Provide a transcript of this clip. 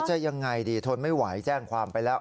จะยังไงดีทนไม่ไหวแจ้งความไปแล้ว